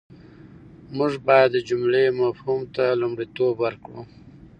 موږ بايد د جملې مفهوم ته لومړیتوب ورکړو.